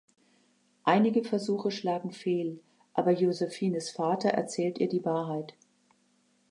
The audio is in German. Einige Versuche schlagen fehl, aber Josephines Vater erzählt ihr die Wahrheit.